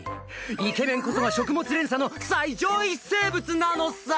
イケメンこそが食物連鎖の最上位生物なのさ！